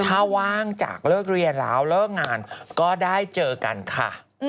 ถ้าว่างจากเลิกเรียนแล้วเลิกงานก็ได้เจอกันค่ะ